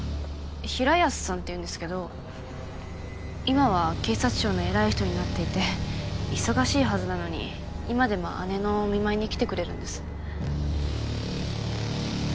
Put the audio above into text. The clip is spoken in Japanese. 平安さんって言うんですけど今は警察庁の偉い人になっていて忙しいはずなのに今でも姉のお見舞いに来てくれるんです。